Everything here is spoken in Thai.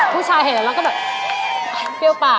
ผู้ชายเห็นแล้วล่ะเปรี้ยวปาก